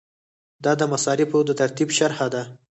دا د مصارفو د ترتیب شرحه ده.